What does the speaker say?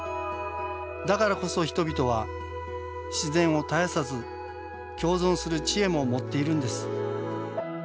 だからこそ人々は自然を絶やさず共存する知恵も持っているんです。